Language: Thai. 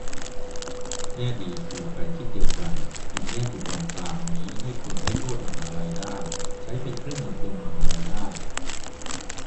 แง่ดีคือไปทิศเดียวกัน อีกแง่คือกองกลางนี้ให้คุณให้โทษมหาลัยได้ ใช้เป็นเครื่องมือคุมมหาลัยได้